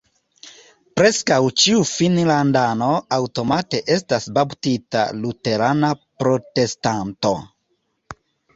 Preskaŭ ĉiu finnlandano aŭtomate estas baptita luterana protestanto.